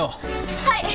はい！